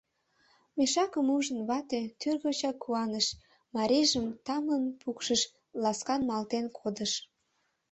Мешакым ужын, вате тӱргочак куаныш: марийжым тамлын пукшыш, ласкан малтен кодыш.